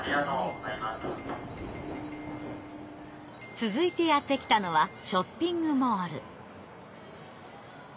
続いてやって来たのはショッピングモール。